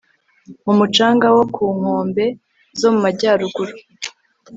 mu mucanga wo ku nkombe zo mu majyaruguru